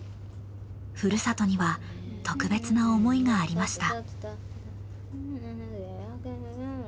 ふるさとには特別な思いがありました。